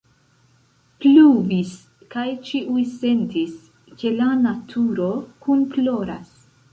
Pluvis, kaj ĉiuj sentis, ke la naturo kunploras.